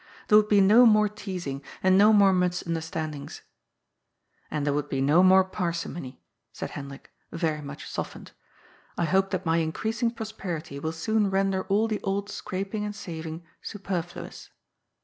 There would be no more teasing, and no more misunder standings. " And there would be no more parsimony," said Hendrik, very much softened. "J hope that my increasing prosperity will soon render all the old scraping and saving superfluous."